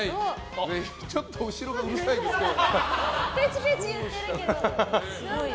ちょっと後ろがうるさいですけど。